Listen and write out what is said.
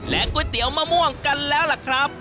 ก๋วยเตี๋ยวมะม่วงกันแล้วล่ะครับ